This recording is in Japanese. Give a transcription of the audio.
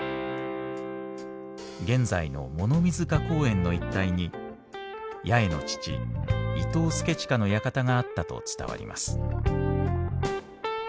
現在の物見塚公園の一帯に八重の父伊東祐親の館があったと伝わります。